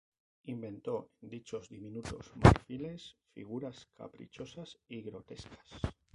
Inventó en dichos diminutos marfiles figuras caprichosas y grotescas.